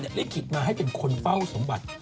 ลิขิตมาให้เป็นคนเฝ้าสมบัติ